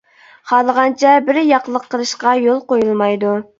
خالىغانچە بىر ياقلىق قىلىشقا يول قويۇلمايدۇ.